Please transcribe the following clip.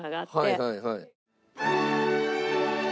はいはいはい。